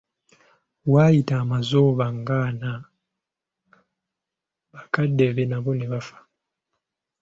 Waayita amazooba ng'ana, bakadde be nabo ne bafa.